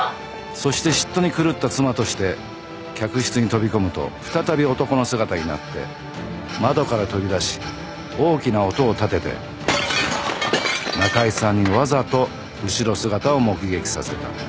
そして嫉妬に狂った妻として客室に飛び込むと再び男の姿になって窓から飛び出し大きな音を立てて仲居さんにわざと後ろ姿を目撃させた。